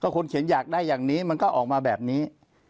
คนเขียนอยากได้อย่างนี้มันก็ออกมาแบบนี้